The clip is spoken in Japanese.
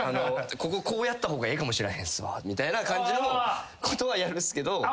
こここうやった方がええかもしれないですわみたいな感じのことはやるんすけど。